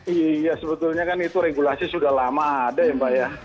iya sebetulnya kan itu regulasi sudah lama ada ya mbak ya